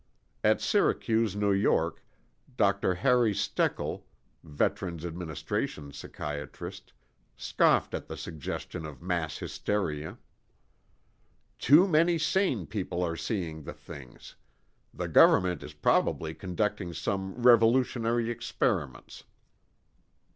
At Syracuse, New York, Dr. Harry Steckel, Veterans Administration psychiatrist, scoffed at the suggestion of mass hysteria. "Too many sane people are seeing the things. The government is probably conducting some revolutionary experiments."